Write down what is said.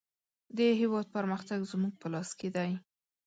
د هېواد پرمختګ زموږ په لاس کې دی.